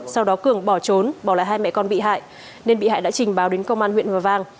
sau đó cường bỏ trốn bỏ lại hai mẹ con bị hại nên bị hại đã trình báo đến công an huyện hòa vang